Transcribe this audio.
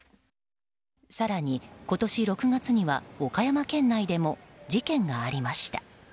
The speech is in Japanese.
更に、今年６月には岡山県内でも事件がありました。